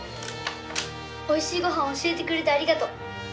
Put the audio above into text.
おいしいごはん教えてくれてありがとう！